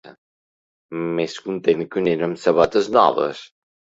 Més content que un nen amb sabates noves.